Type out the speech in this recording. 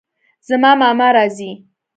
زما ماما راځي